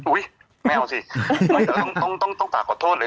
อุ๊ยไม่เอาสิต้องต้องฝากขอโทษเลย